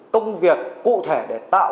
công việc cụ thể để tạo